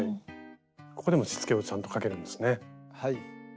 ここでもしつけをちゃんとかけるんですね。